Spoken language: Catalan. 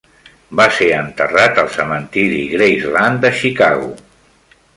Va ser enterrat al cementiri Graceland de Chicago.